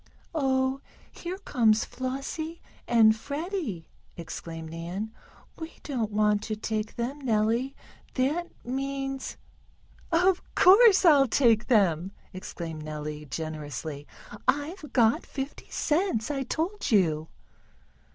"Oh, here comes Flossie and Freddie!" exclaimed Nan. "We don't want to take them, Nellie. That means " "Of course I'll take them!" exclaimed Nellie, generously. "I've got fifty cents, I told you."